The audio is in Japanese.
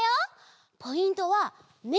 ポイントはめ！